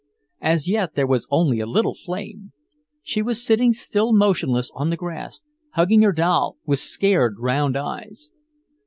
As yet there was only a little flame. She was sitting still motionless on the grass, hugging her doll, with scared round eyes.